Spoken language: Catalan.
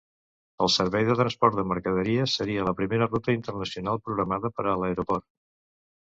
El servei de transport de mercaderies seria la primera ruta internacional programada per a l'aeroport.